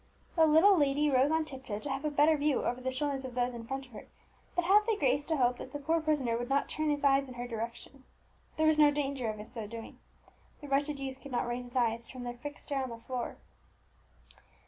The little lady rose on tiptoe to have a better view over the shoulders of those in front of her; but had the grace to hope that the poor prisoner would not turn his eyes in her direction. There was no danger of his so doing, the wretched youth could not raise his eyes from their fixed stare on the floor.